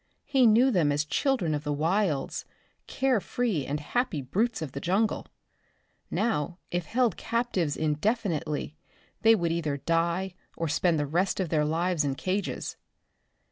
He knew them as children of the wilds, carefree and happy brutes of the jungle. Now if held captives indefinitely they would either die or spend the rest of their lives in cages.